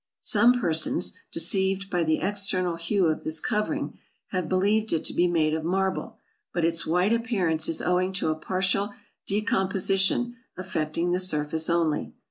Some persons, deceived by the external hue of this cover ing, have believed it to be made of marble ; but its white appearance is owing to a partial decomposition affecting the surface only.